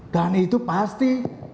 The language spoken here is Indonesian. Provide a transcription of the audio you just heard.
dan itu pasti